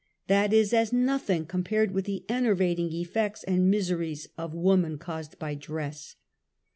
That is as nothing compared with the enervating eftects and miseries of woman caused by dress.